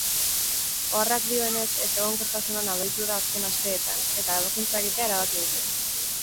Oharrak dioenez ezegonkortasuna nabaritu du azken asteetan eta ebakuntza egitea erabaki dute.